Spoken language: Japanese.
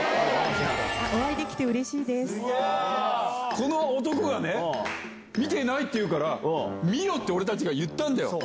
この男がね、見てないって言うから、見ろって、俺たちが言ったんだよ。